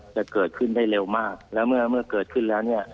จะเกิดขึ้นได้เร็วมากแล้วเมื่อเกิดขึ้นแล้วเนี่ย